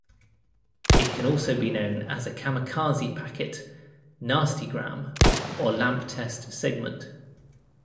It can also be known as a "kamikaze packet", "nastygram", or "lamp test segment".